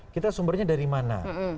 kita sumbernya dari mana